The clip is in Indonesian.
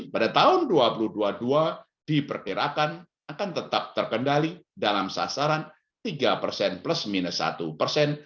pada tahun dua ribu dua puluh dua diperkirakan akan tetap terkendali dalam sasaran tiga persen plus minus satu persen